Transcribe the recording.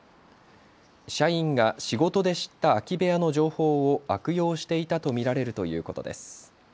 社員が仕事で知った空き部屋の情報を悪用していたと見られるということです。